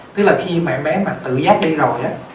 tức là khi mà em bé mà tự dắt đi rồi á